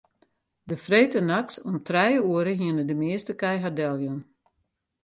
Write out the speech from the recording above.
De freedtenachts om trije oere hiene de measte kij har deljûn.